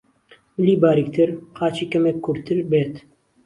ملی باریکتر، قاچی کەمێک کورتتر بێت